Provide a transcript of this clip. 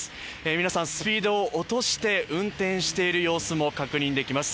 皆さん、スピードを落として運転している様子も確認できます。